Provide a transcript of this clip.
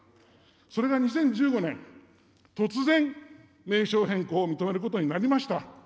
それが２０１５年、突然、名称変更を認めることになりました。